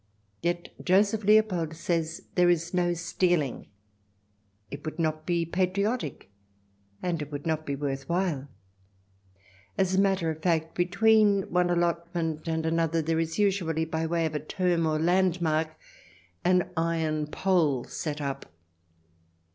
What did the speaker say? Yet Joseph Leopold says there is no stealing ; it would not be patriotic, and it would not be worth while. As a matter of fact, between one allotment and another there is usually, by way of a " term," or landmark, an iron pole set up.